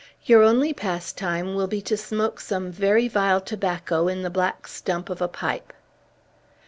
Your only pastime will be to smoke some very vile tobacco in the black stump of a pipe."